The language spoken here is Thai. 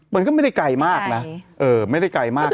มันก็ไม่ได้ไกลมากนะไม่ได้ไกลมาก